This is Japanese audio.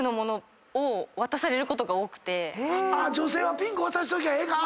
女性はピンク渡しときゃええ